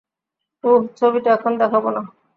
উঁহু, ছবিটা এখন দেখাব না।